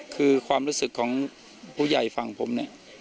คือความรู้สึกของผู้ใหญ่ฝั่งผมเนี่ย